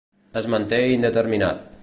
Es manté indeterminat.